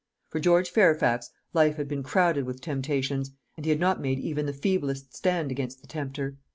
For George Fairfax life had been crowded with temptations; and he had not made even the feeblest stand against the tempter.